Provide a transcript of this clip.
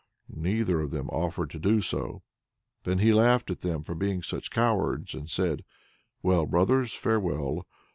Neither of them offered to do so. Then he laughed at them for being such cowards, and said: "Well, brothers, farewell!